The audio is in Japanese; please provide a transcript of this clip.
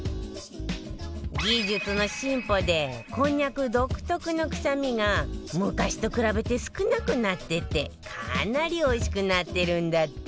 技術の進歩でこんにゃく独特の臭みが昔と比べて少なくなっててかなりおいしくなってるんだって